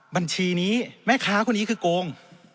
บัญชีนี้แม่ค้าคนนี้คือโกง